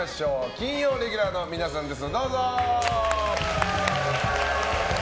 金曜レギュラーの皆さんです！